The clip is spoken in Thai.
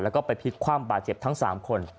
แล้วก็ไปพลิกคว่ำบาดเจ็บทั้ง๓คน